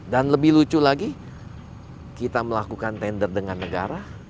dan lebih lucu lagi kita melakukan tender dengan negara